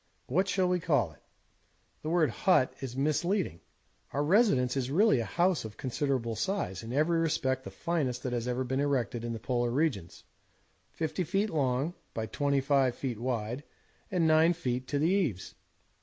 What shall we call it? 'The word "hut" is misleading. Our residence is really a house of considerable size, in every respect the finest that has ever been erected in the Polar regions; 50 ft. long by 25 wide and 9 ft. to the eaves.